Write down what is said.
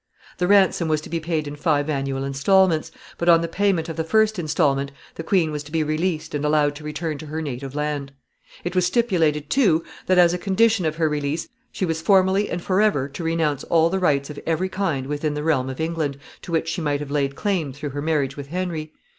The ransom was to be paid in five annual installments, but on the payment of the first installment the queen was to be released and allowed to return to her native land. It was stipulated, too, that, as a condition of her release, she was formally and forever to renounce all the rights of every kind within the realm of England to which she might have laid claim through her marriage with Henry.